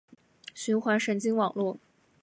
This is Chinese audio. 循环神经网络